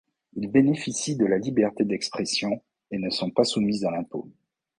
Ils bénéficient de la liberté d'expression et ne sont pas soumis à l'impôt.